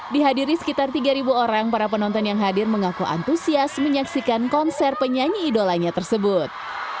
dihadiri sekitar tiga orang para penonton yang hadir mengaku antusias menyaksikan konser penyanyi idolanya tersebut